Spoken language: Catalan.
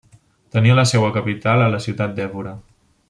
Tenia la seua capital a la ciutat d'Évora.